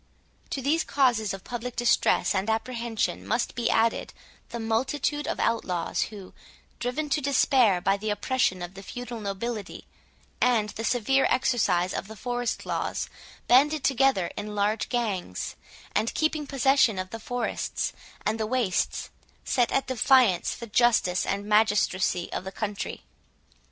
To these causes of public distress and apprehension, must be added, the multitude of outlaws, who, driven to despair by the oppression of the feudal nobility, and the severe exercise of the forest laws, banded together in large gangs, and, keeping possession of the forests and the wastes, set at defiance the justice and magistracy of the country.